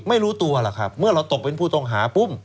ไม่รู้ตัวหรอกครับเมื่อเราตกเป็นผู้ต้องหาปุ๊บ